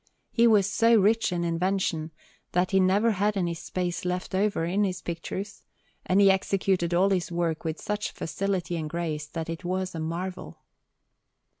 He was so rich in invention, that he never had any space left over in his pictures, and he executed all his work with such facility and grace, that it was a marvel.